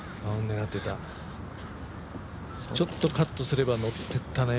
ちょっとカットすれば乗ってったね。